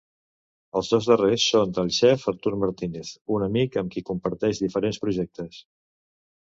Els dos darrers són del xef Artur Martínez, un amic amb qui comparteix diferents projectes.